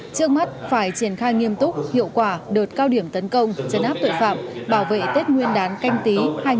trước mắt phải triển khai nghiêm túc hiệu quả đợt cao điểm tấn công chấn áp tội phạm bảo vệ tết nguyên đán canh tí hai nghìn hai mươi